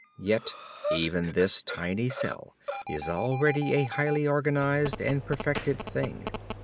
Yet even this tiny cell is already a highly organized and perfected thing.